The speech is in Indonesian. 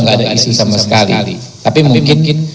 tidak ada isi sama sekali tapi mungkin